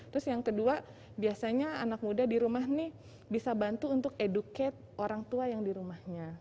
terus yang kedua biasanya anak muda di rumah ini bisa bantu untuk educate orang tua